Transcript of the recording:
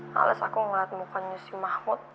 males aku ngeliat mukanya si mahmud